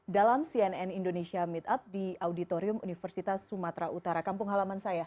dalam cnn indonesia meetup di auditorium universitas sumatera utara kampung halaman saya